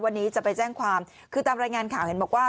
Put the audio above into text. วันนี้จะไปแจ้งความคือตามรายงานข่าวเห็นบอกว่า